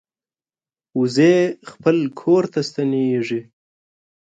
وزې خپل کور ته ستنېږي